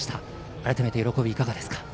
改めて喜びはいかがですか。